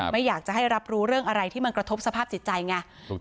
ไม่อยากจะให้รับรู้เรื่องอะไรที่มันกระทบสภาพจิตใจไง